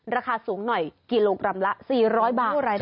ราคาสูงหน่อยกิโลกรัมละ๔๐๐บาท